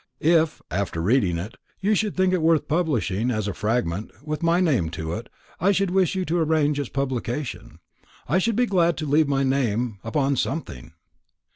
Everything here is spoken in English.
If, after reading it, you should think it worth publishing, as a fragment, with my name to it, I should wish you to arrange its publication. I should be glad to leave my name upon something."